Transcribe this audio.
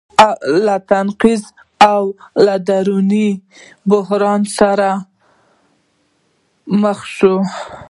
له تناقض او دروني بحران سره به مخ شي.